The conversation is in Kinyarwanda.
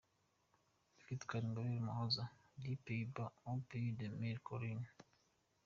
Victoire Ingabire Umuhoza, du Pays Bas au pays des mille collines.